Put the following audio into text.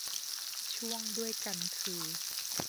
ช่วงด้วยกันคือ